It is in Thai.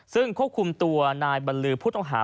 ซึ่งควบคุมตัวนายบรรลือผู้ต้องหา